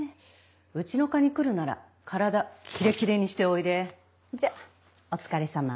うちの科に来るなら体キレキレにしておいで。じゃお疲れさま。